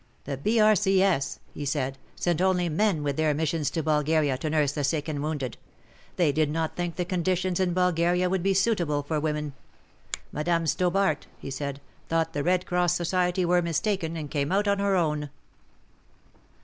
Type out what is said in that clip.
The B.R.C.S., he said, "sent only men with their missions to Bulgaria to nurse the sick and wounded. They did not think the conditions in Bulgaria would be suitable for women. Madame Stobart," he said, thought the Red Cross Society were mistaken and came out on her own."